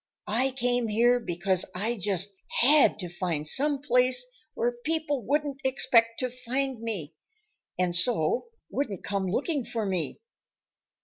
I came here because I just HAD to find some place where people wouldn't expect to find me and so wouldn't come looking for me.